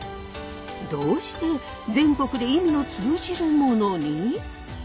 どうして全国で意味の通じるものに？